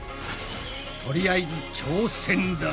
とりあえず挑戦だ。